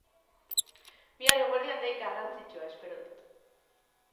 Bihar eguerdian dei garrantzitsua espero dut.